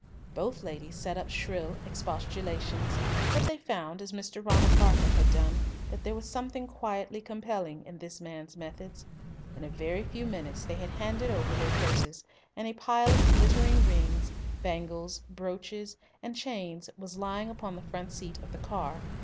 Both ladies set up shrill expostulations, but they found, as Mr. Ronald Barker had done, that there was something quietly compelling in this man's methods. In a very few minutes they had handed over their purses, and a pile of glittering rings, bangles, brooches, and chains was lying upon the front seat of the car.